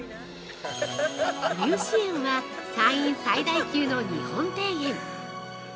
◆由志園は山陰最大級の日本庭園！